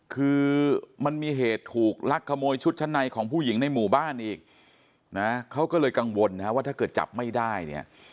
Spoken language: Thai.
คือมันมีเหตุถูกลักขโมยชุดชั้นในของผู้หญิงในหมู่บ้านอีกนะเขาก็เลยกังวลนะว่าถ้าเกิดจับไม่ได้เนี่ย